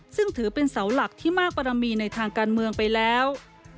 ซึ่งถือเป็นเสาหลักที่มากปรมีในทางการเมืองไปแล้ว